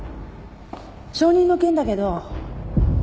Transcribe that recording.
承認の件だけど。